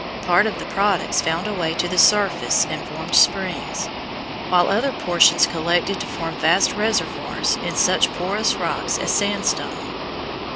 Part of the products found a way to the surface and formed springs, while other portions collected to form vast reservoirs in such porous rocks as sandstone.